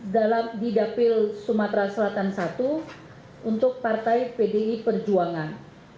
dalam didapil sumatera selatan i untuk partai pdi perjuangan